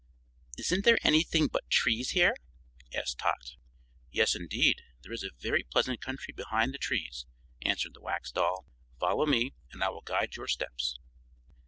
"Isn't there anything but trees here?" asked Tot. "Yes, indeed, there is a very pleasant country behind the trees," answered the Wax Doll. "Follow me and I will guide your steps."